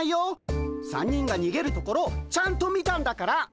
３人がにげるところちゃんと見たんだから。